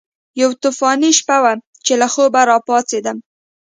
یوه طوفاني شپه وه چې له خوبه راپاڅېدم.